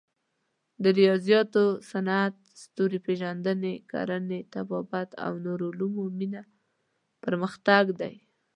د ریاضیاتو، صنعت، ستوري پېژندنې، کرنې، طبابت او نورو علومو مینه پرمختګ دی.